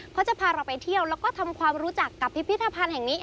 เขาจะพาเราไปเที่ยวแล้วก็ทำความรู้จักกับพิพิธภัณฑ์แห่งนี้